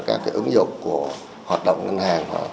các cái ứng dụng của hoạt động ngân hàng